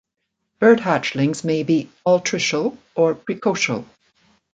Bird hatchlings may be altricial or precocial.